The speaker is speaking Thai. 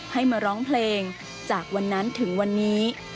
ให้มาร้องเพลงจากวันนั้นถึงวันนี้